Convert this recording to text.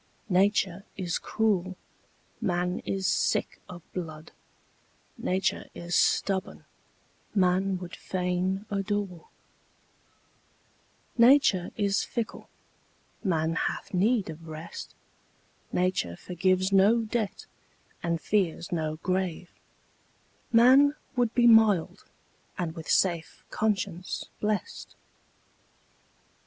Nature is cruel, man is sick of blood; Nature is stubborn, man would fain adore; Nature is fickle, man hath need of rest; Nature forgives no debt, and fears no grave; Man would be mild, and with safe conscience blest.